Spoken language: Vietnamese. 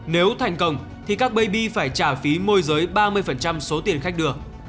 nếu thành công thì các baby phải trả phí môi giới ba mươi số tiền khách đưa